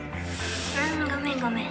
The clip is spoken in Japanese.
・あごめんごめん。